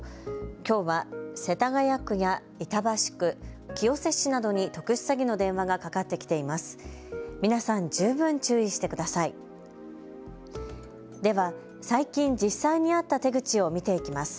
きょうは世田谷区や板橋区、清瀬市などに特殊詐欺の電話がかかってきています。